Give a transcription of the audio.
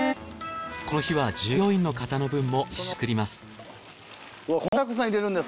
この日は従業員の方の分も一緒に作ります。